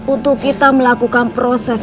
untuk kita melakukan proses